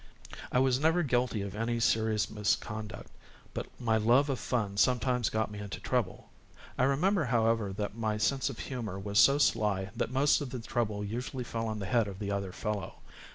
I was never guilty of any serious misconduct, but my love of fun sometimes got me into trouble. I remember, however, that my sense of humor was so sly that most of the trouble usually fell on the head of the other fellow.